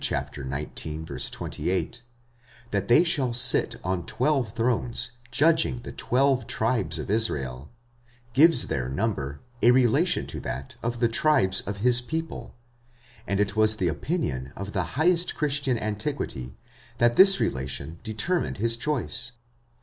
xix. 28) ¢hat they shall sit on twelve thrones, judging the twelve tribes of Israel, gives their number a relation to that of the tribes of his people; and it was the opinion of the highest Christian antiquity that this relation determined his choice.